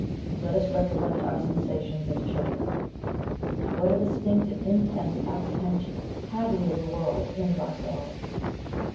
Let us recollect our sensations as children. What a distinct and intense apprehension had we of the world and of ourselves!